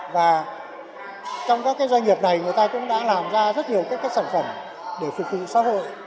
và trong các doanh nghiệp này người ta cũng đã làm ra rất nhiều các sản phẩm để phục vụ xã hội